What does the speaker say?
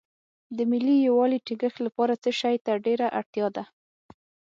د ملي یووالي ټینګښت لپاره څه شی ته ډېره اړتیا ده.